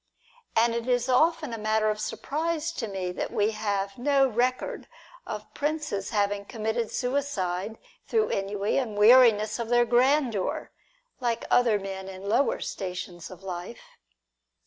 And it is often a matter of surprise to me that we have no record of princes having committed suicide through ennui and weariness of their grandeur, like other men in lower stations of life.